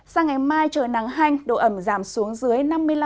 sang ngày mai trời nắng hanh độ ẩm giảm xuống dưới năm mươi năm